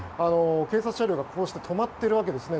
警察車両がこうして止まっているわけですね。